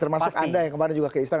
termasuk anda yang kemarin juga ke istana